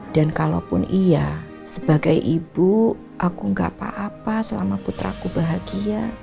dan kalaupun iya sebagai ibu aku gak apa apa selama putra ku bahagia